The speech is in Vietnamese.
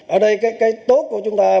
ở đây cái tốt của chúng ta